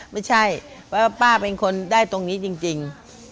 ไม่ใช่ว่าป้าเป็นคนได้ตรงนี้จริง